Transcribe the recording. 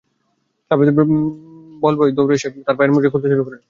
ক্লাবের বলবয় দৌড়ে এসে তাঁর পায়ের মোজা জোড়া খুলতে শুরু করলেন।